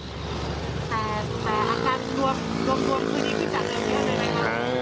แต่อาการรวมรวมคืนนี้ขึ้นจากนั้นเลยนะครับ